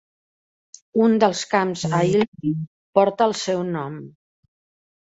Un dels camps a Hilhi porta el seu nom.